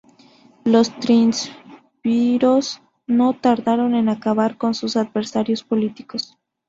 Los triunviros no tardaron en acabar con sus adversarios políticos.